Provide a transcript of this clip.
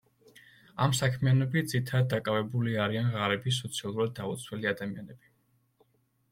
ამ საქმიანობით ძირითადად დაკავებული არიან ღარიბი, სოციალურად დაუცველი ადამიანები.